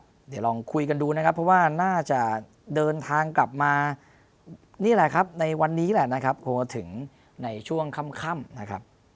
เราก็จะเลือกลงแห่งขันกันดุนะครับเพราะว่าน่าจะเดินทางกลับมาในวันนี้แหละนะครับถึงในช่วงคำนะครับ